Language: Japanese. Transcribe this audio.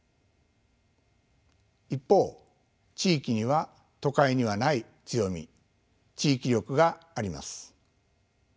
一方地域には都会にはない強み地域力があります。